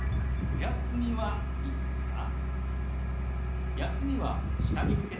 「お休みはいつですか？」。